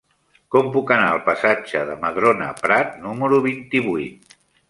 Com puc anar al passatge de Madrona Prat número vint-i-vuit?